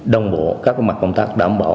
đồng bộ các mặt công tác đảm bảo